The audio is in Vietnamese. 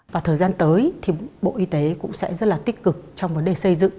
và thời gian tới thì bộ y tế cũng sẽ rất là tích cực trong vấn đề xây dựng